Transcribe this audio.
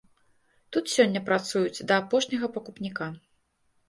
Тут сёння працуюць да апошняга пакупніка.